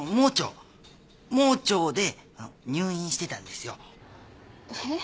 盲腸で入院してたんですよ。えっ？